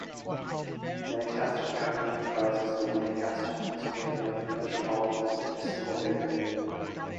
Lancaster County comprises the Lancaster, Pennsylvania Metropolitan Statistical Area.